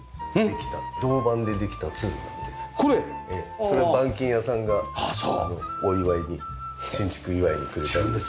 それ板金屋さんがお祝いに新築祝いにくれたんです。